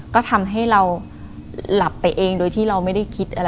ก็ทำให้เราหลับไปเองโดยที่เราไม่ได้คิดอะไร